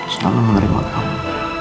selalu menerima kamu